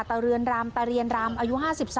ตะเรือนรรมอายุ๕๓